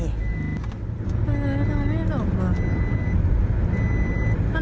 เฮ้ทำไมไม่หลบอ่ะ